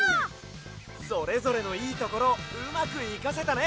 それぞれのいいところをうまくいかせたね！